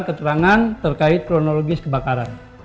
keterangan terkait kronologis kebakaran